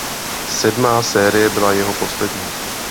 Sedmá série byla jeho poslední.